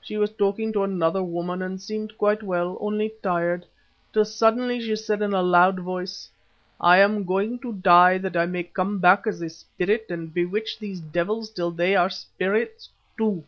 She was talking to another woman and seemed quite well, only tired, till suddenly she said in a loud voice, 'I am going to die, that I may come back as a spirit and bewitch these devils till they are spirits too.